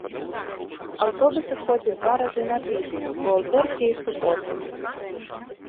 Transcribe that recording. Аўтобусы ходзяць два разы на тыдзень, у аўторкі і суботы.